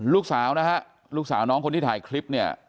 ลูกสาวนะฮะลูกสาวน้องคนที่ถ่ายคลิปเนี่ย